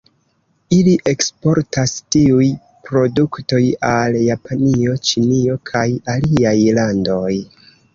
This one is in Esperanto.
Ili eksportas tiuj produktoj al Japanio, Ĉinio kaj aliaj landoj.